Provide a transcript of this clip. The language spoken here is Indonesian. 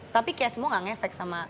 tapi kayak semua gak ngefek sama